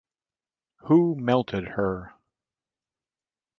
Who melted her?